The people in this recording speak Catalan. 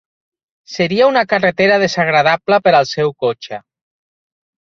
Seria una carretera desagradable per al seu cotxe.